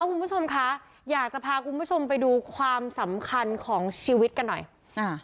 คุณผู้ชมคะอยากจะพาคุณผู้ชมไปดูความสำคัญของชีวิตกันหน่อยอ่า